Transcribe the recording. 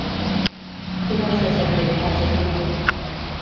最外侧脚趾无法接触地面。